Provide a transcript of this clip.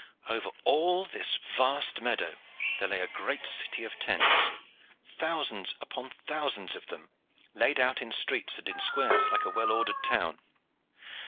Over all this vast meadow there lay a great city of tents thousands upon thousands of them, laid out in streets and in squares like a well ordered town.